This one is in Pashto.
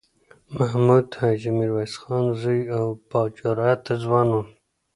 محمود حاجي میرویس خان زوی او با جرئته ځوان و.